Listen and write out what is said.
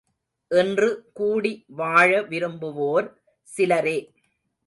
இன்று கூடி வாழ விரும்புவோர் சிலரே.